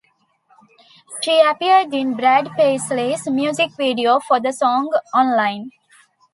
She appeared in Brad Paisley's music video for the song "Online".